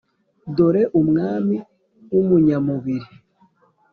dore umwami w’umunyamubiri.